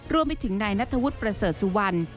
รวมไปถึงนายนัทธวุฒิประเสริฐสุวรรณ